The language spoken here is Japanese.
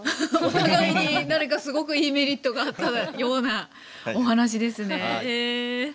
お互いに何かすごくいいメリットがあったようなお話ですね。